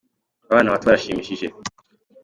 Abana bato barashimishije.